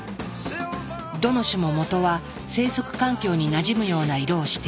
どの種ももとは生息環境になじむような色をしている。